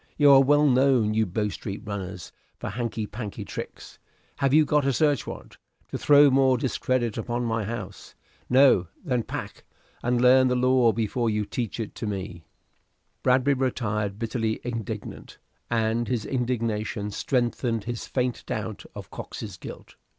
You are well known, you Bow Street runners, for your hanky panky tricks. Have you got a search warrant, to throw more discredit upon my house? No? Then pack! and learn the law before you teach it me." Bradbury retired, bitterly indignant, and his indignation strengthened his faint doubt of Cox's guilt.